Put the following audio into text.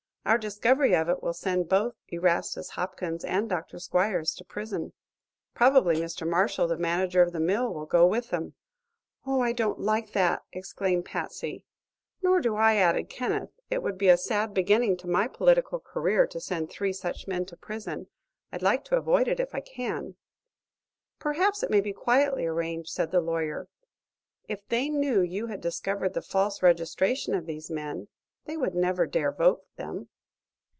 Our discovery of it will send both Erastus Hopkins and Dr. Squiers to prison. Probably Mr. Marshall, the manager of the mill, will go with them." "Oh, I don't like that!" exclaimed Patsy. "Nor do I," added Kenneth. "It would be a sad beginning to my political career to send three such men to prison. I'd like to avoid it, if I can." "Perhaps it may be quietly arranged," said the lawyer. "If they knew you had discovered the false registration of these men, they would never dare vote them."